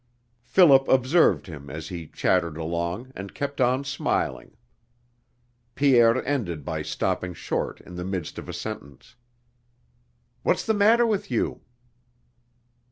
Philip observed him as he chattered along and kept on smiling. Pierre ended by stopping short in the midst of a sentence. "What's the matter with you?"